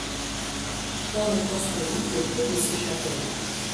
On ne construisit que peu de ces chapelles.